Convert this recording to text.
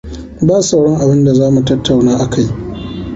Ba sauran abinda za mu tattauna akai.